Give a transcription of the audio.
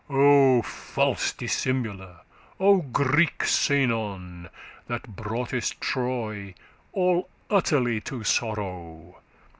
<24> O false dissimuler, O Greek Sinon,<25> That broughtest Troy all utterly to sorrow!